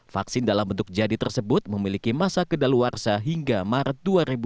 vaksin dalam bentuk jadi tersebut memiliki masa kedaluarsa hingga maret dua ribu dua puluh